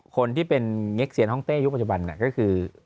คนที่เป็นเง็กเซียนห้องเต้ยุคปัจจุบันก็คือ